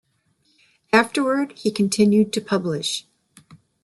Afterward, he continued to publish.